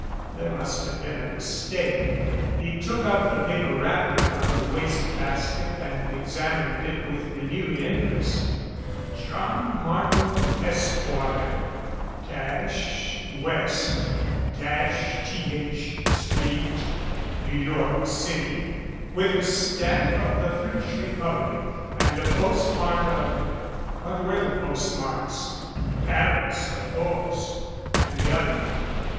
There must have been a mistake. He took up the paper wrapper from the waste basket and ex amined it with renewed interest. JOHN MAEKHAM, ESQUIRE, West th Street, New York City. With a stamp of the French Republic and a postmark of What were the postmarks? Paris. Of course. And the other?